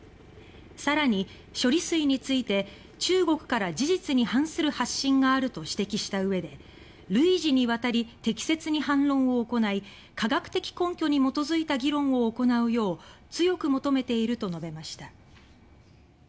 更に処理水について中国から事実に反する発信があると指摘したうえで「累次にわたり適切に反論を行い科学的根拠に基づいた議論を行うよう強く求めている」と述べました。